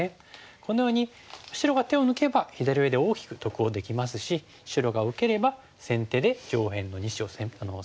このように白が手を抜けば左上で大きく得をできますし白が受ければ先手で上辺の２子を攻めることができるということで。